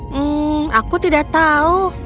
hmm aku tidak tahu